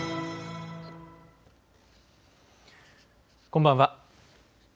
こんばんは。